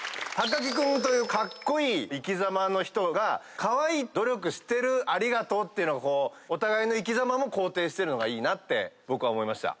木君というカッコイイ生きざまの人がカワイイ努力してるありがとうっていうのをお互いの生きざま肯定してるのがいいなって僕は思いました。